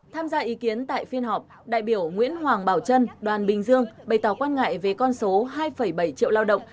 tham gia ý kiến tại phiên họp đại biểu nguyễn hoàng bảo trân đoàn bình dương bày tỏ quan ngại về con số hai bảy triệu lao động